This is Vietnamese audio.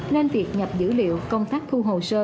nên việc nhập dữ liệu công tác thu hồ sơ